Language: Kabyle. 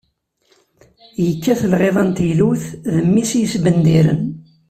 Yekkat lɣiḍa n teylut, d mmi-s i yesbendiren.